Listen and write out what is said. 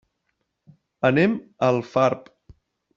Anem a Alfarb.